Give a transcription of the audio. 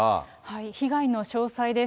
被害の詳細です。